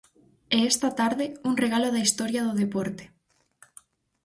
E esta tarde, un regalo da historia do deporte.